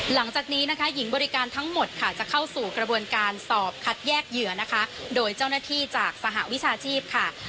หลังจากนี้นะคะหญิงบริการทั้งหมดค่ะจะเข้าสู่กระบวนการสอบคัดแยกเหยื่อนะคะโดยเจ้าหน้าที่จากสหวิชาชีพค่ะ